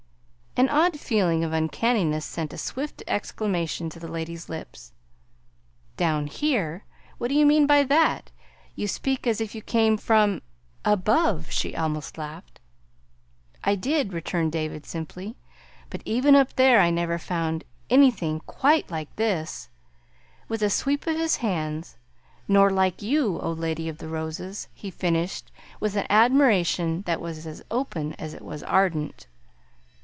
An odd feeling of uncanniness sent a swift exclamation to the lady's lips. "'Down here'! What do you mean by that? You speak as if you came from above," she almost laughed. "I did," returned David simply. "But even up there I never found anything quite like this," with a sweep of his hands, "nor like you, O Lady of the Roses," he finished with an admiration that was as open as it was ardent.